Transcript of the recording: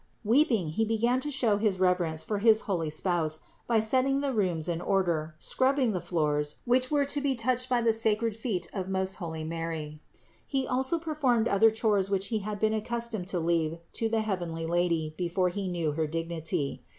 Weeping, he began to show his reverence for his heavenly Spouse, by setting the rooms in order, scrubbing the floors, which were to be touched by the sacred feet of most holy Mary. He also performed other chores which he had been accus tomed to leave to the heavenly Lady before he knew her dignity.